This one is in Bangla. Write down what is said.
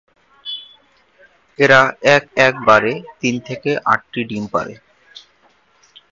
এরা এক এক বারে তিন থেকে আটটি ডিম পাড়ে।